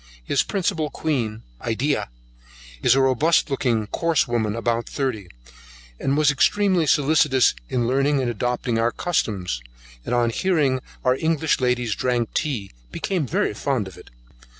His principal queen, Edea, is a robust looking, course woman, about thirty, and was extremely solicitous in learning and adopting our customs, and on hearing our English ladies drank tea, became very fond of it.